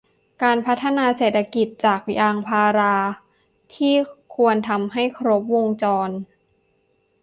การพัฒนาเศรษฐกิจจากยางพาราที่ควรทำให้ครบวงจร